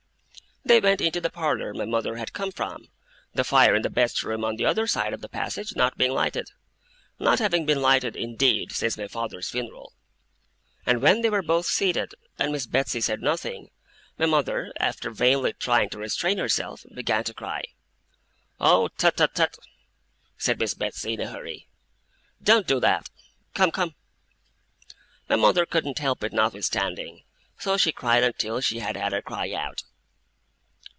They went into the parlour my mother had come from, the fire in the best room on the other side of the passage not being lighted not having been lighted, indeed, since my father's funeral; and when they were both seated, and Miss Betsey said nothing, my mother, after vainly trying to restrain herself, began to cry. 'Oh tut, tut, tut!' said Miss Betsey, in a hurry. 'Don't do that! Come, come!' My mother couldn't help it notwithstanding, so she cried until she had had her cry out.